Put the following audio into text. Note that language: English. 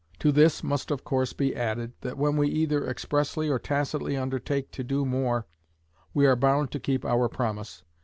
To this must of course be added, that when we either expressly or tacitly undertake to do more, we are bound to keep our promise.